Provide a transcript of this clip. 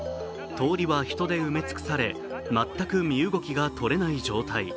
通りは人で埋め尽くされ全く身動きが取れない状態。